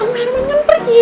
om herman kan pergi